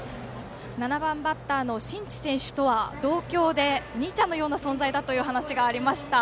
７番バッターの新地選手とは同郷でお兄ちゃんのような存在だという話がありました。